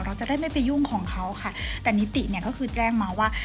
เราจะได้ไม่ไปยุ่งของเขาค่ะแต่นิติเนี่ยก็คือแจ้งมาว่า